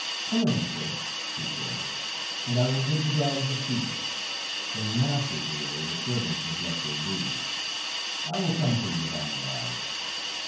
"Come in, Fritz," he said, "and I will give the dogs a feed. When the master's away the servants neglect their duty; I will come for you by and by."